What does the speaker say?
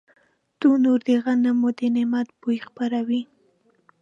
تنور د غنمو د نعمت بوی خپروي